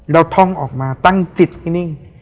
แล้วท่องออกมาตั้งจิตที่นิ่ง